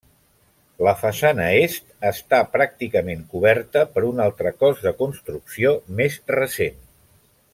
La façana est està pràcticament coberta per un altre cos de construcció més recent.